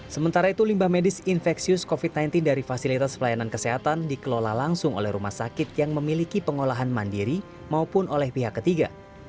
sementara itu limbah medis infeksius covid sembilan belas dari fasilitas pelayanan kesehatan dikelola langsung oleh rumah sakit yang memiliki pengolahan mandiri maupun oleh pihak ketiga